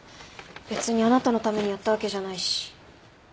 別にあなたのためにやったわけじゃないし。